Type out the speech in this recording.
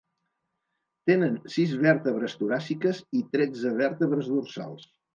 Tenen sis vèrtebres toràciques i tretze vèrtebres dorsals.